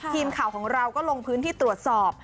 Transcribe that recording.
ทีมข่าวของเราก็ลงพื้นที่ตรวจสอบ